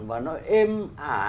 và nó êm ả